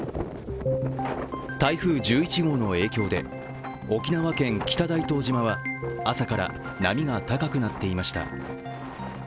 台風１１号の影響で沖縄県北大東島は朝から波が高くなっていました。